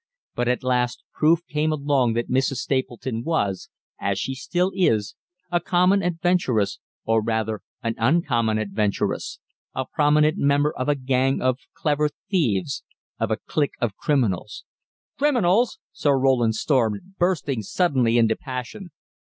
But at last proof came along that Mrs. Stapleton was as she is still a common adventuress, or rather an uncommon adventuress, a prominent member of a gang of clever thieves, of a clique of criminals " "Criminals!" Sir Roland stormed, bursting suddenly into passion.